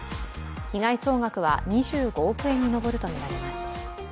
被害総額は２５億円に上るとみられます。